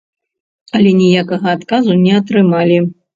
Але ніякага адказу не атрымалі.